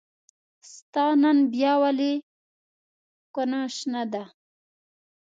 ستا نن بيا ولې کونه شنه ده